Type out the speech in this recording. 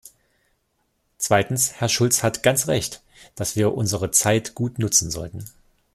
Zweitens, Herr Schulz hat ganz Recht, dass wir unsere Zeit gut nutzen sollten.